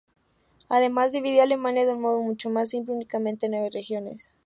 Además, dividía a Alemania de un modo mucho más simple: únicamente en nueve regiones.